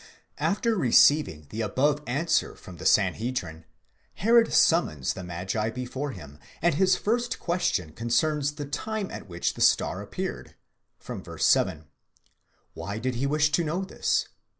After receiving the above answer from the Sanhedrim, Herod summons the magi before him, and his first question concerns the time at which the star appeared (v. 7). Why did he wish to know this®?